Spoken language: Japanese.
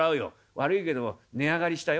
「悪いけども値上がりしたよ」。